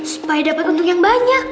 supaya dapat untung yang banyak